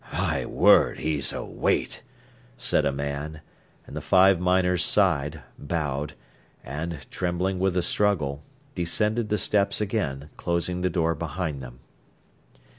"My word, he's a weight!" said a man, and the five miners sighed, bowed, and, trembling with the struggle, descended the steps again, closing the door behind them.